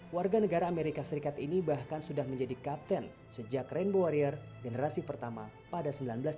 warga negara amerika serikat ini bahkan sudah menjadi kapten sejak rainbow warrior generasi pertama pada seribu sembilan ratus sembilan puluh